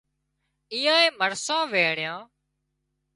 ايئانئي مرسان وينڻيان